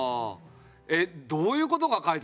えっどういうことが書いてあんの？